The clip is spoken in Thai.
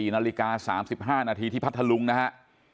๔นาฬิกา๓๕นาทีที่พัทธลุงนะฮะ